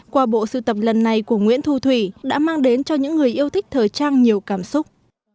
qua bộ sưu tập lần này của nguyễn thu thủy đã mang đến cho những người yêu thích thời trang nhiều cảm xúc